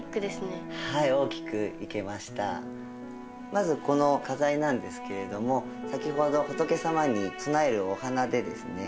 まずこの花材なんですけれども先ほど仏様に供えるお花でですね